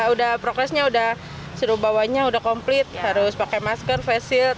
udah progresnya udah suruh bawanya udah komplit harus pakai masker face shield